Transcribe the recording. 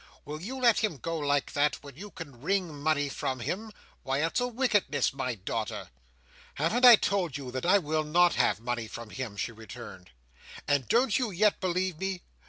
"Will you let him go like that, when you can wring money from him? Why, it's a wickedness, my daughter." "Haven't I told you, that I will not have money from him?" she returned. "And don't you yet believe me?